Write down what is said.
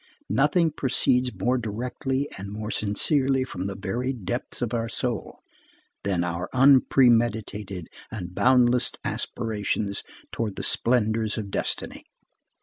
Nothing proceeds more directly and more sincerely from the very depth of our soul, than our unpremeditated and boundless aspirations towards the splendors of destiny.